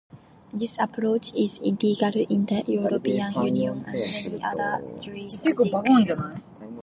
This approach is illegal in the European Union and many other jurisdictions.